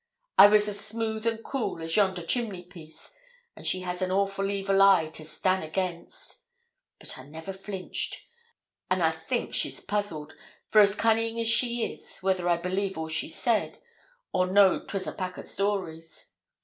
I was as smooth and cool as yonder chimneypiece, and she has an awful evil eye to stan' against; but I never flinched, and I think she's puzzled, for as cunning as she is, whether I believe all she said, or knowed 'twas a pack o' stories.